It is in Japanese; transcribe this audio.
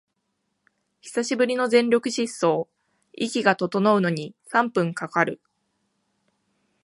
久しぶりの全力疾走、息が整うのに三分かかる